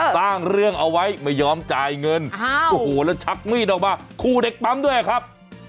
สร้างเรื่องเอาไว้ไม่ยอมจ่ายเงินโอ้โหแล้วชักมีดออกมาคู่เด็กปั๊มด้วยครับ